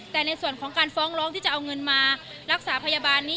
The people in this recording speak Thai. แต่ในส่วนของการฟ้องร้องที่จะเอาเงินมารักษาพยาบาลนี้